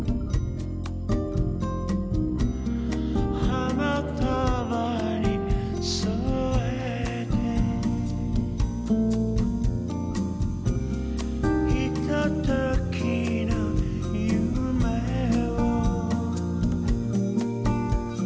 「花束に添えて」「ひとときの夢を」